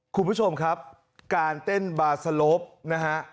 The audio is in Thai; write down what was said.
คุณผู้ชมครับการเต้นบาร์สโลปนะฮะ